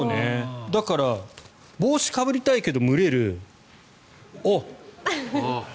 だから帽子かぶりたいけど蒸れる。